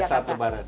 pada saat lebaran